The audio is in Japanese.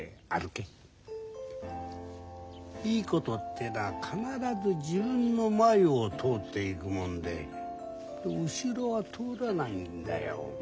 いいことってのは必ず自分の前を通っていくもんで後ろは通らないんだよ。